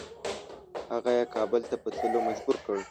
هغه یې کابل ته په تللو مجبور کړ.